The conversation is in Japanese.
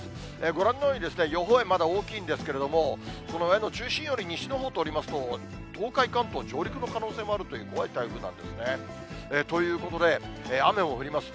ご覧のように、予報円、まだ大きいんですけれども、この円の中心より西のほうを通りますと、東海、関東、上陸の可能性もあるという、怖い台風なんですね。ということで、雨も降ります。